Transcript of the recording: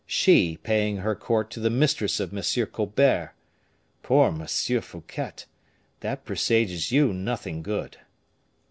She paying her court to the mistress of M. Colbert! Poor M. Fouquet! that presages you nothing good!"